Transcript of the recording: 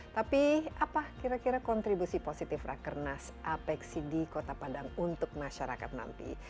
tapi apa kira kira kontribusi positif rakernas apexi di kota padang untuk masyarakat nanti